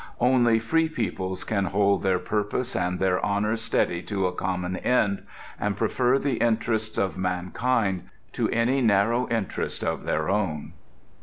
"Only free peoples can hold their purpose and their honour steady to a common end and prefer the interests of mankind to any narrow interest of their own."